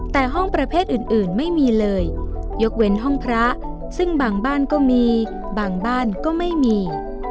แต่ห้องประเภทอื่นไม่มีเลยยกเว้นห้องพระซึ่งบางบ้านก็มีบางบ้านก็ไม่มี